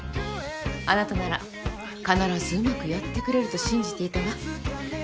あなたなら必ずうまくやってくれると信じていたわ。